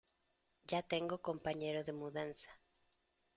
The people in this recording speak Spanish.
Ya tengo compañero de mudanza.